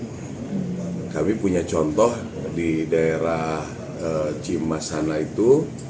jadi kami punya contoh di daerah cimasana itu